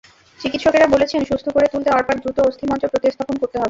চিকিৎসকেরা বলেছেন, সুস্থ করে তুলতে অর্পার দ্রুত অস্থিমজ্জা প্রতিস্থাপন করতে হবে।